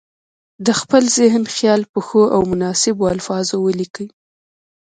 د خپل ذهن خیال په ښو او مناسبو الفاظو ولیکي.